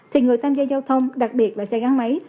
thì người tham gia giao thông đặc biệt là xe gắn máy